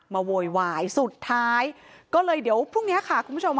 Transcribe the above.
มาโวยวายสุดท้ายก็เลยเดี๋ยวพรุ่งนี้ค่ะ